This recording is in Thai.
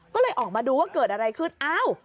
ก็เลยออกมาดูว่าเกิดอะไรขึ้นอ้าว